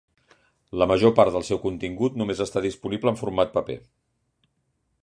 La major part del seu contingut només està disponible en format paper.